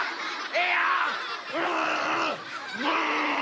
ええやん！